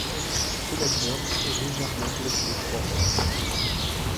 Schulemburg est légèrement blessé trois fois.